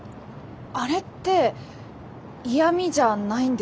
あれって嫌みじゃないんですか？